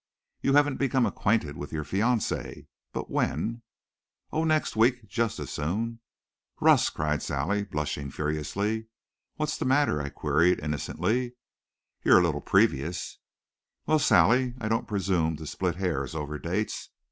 You haven't become acquainted with your fiancee. But when " "Oh, next week, just as soon " "Russ!" cried Sally, blushing furiously. "What's the matter?" I queried innocently. "You're a little previous." "Well, Sally, I don't presume to split hairs over dates.